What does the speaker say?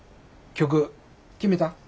曲決めた？